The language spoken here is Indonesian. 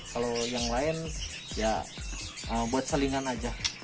kalau yang lain ya buat salingan aja